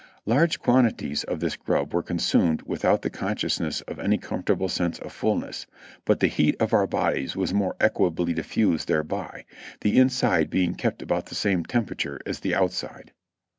Large quantities of this grub were consumed without the consciousness of any comfortable sense of fulness, but the heat of our bodies was more equably diffused thereby, the inside being kept about the same temper ature as the outside.